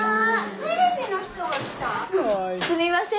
すいません。